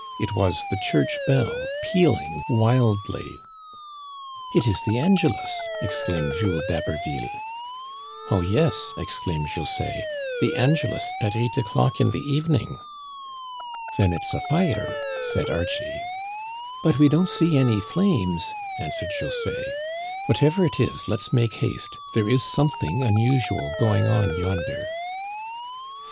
It was the church bell pealing wildly. " It is the Angelus," exclaimed Jules d'Haberville. " Oh, yes," exclaimed José, " the Angelus at eight o'clock in the evening." Digitized by VjOOQIC 58 THE CANADIANS OF OLD. " Then it's a fire," said Archie. But we don't see any flames," answered José. " Whatever it is let's make haste. There is something unusual going on yonder."